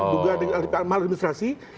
dugaan dengan mahal administrasi